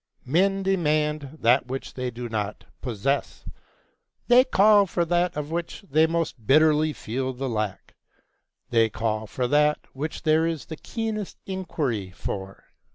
Men demand that which they do not possess; they call for that of which they most bitterly feel the lack; they call for that which there is the keenest inquiry for.